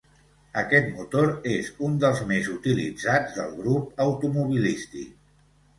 Aquest motor és un dels més utilitzats del grup automobilístic.